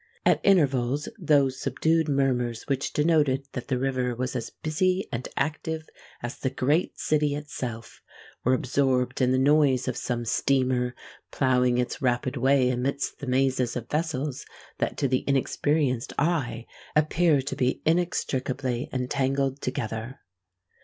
At intervals those subdued murmurs which denoted that the river was as busy and active as the great city itself, were absorbed in the noise of some steamer ploughing its rapid way amidst the mazes of vessels that to the inexperienced eye appear to be inextricably entangled together.